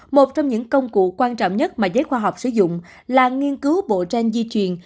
một trong những công cụ quan trọng nhất mà giới khoa học sử dụng là nghiên cứu bộ gen di truyền